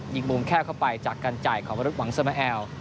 มุมแค่เข้าไปจากการจ่ายของวรุษหวังสมแอล